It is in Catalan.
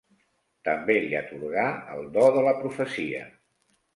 També li atorgà el do de la profecia.